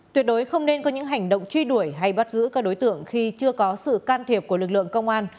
tuyệt đối không nên có những hành động truy đuổi hay bắt giữ các đối tượng khi chưa có sự can thiệp của lực lượng công an